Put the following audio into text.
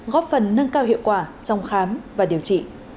góp phần nâng cao hiệu quả trong khám và điều trị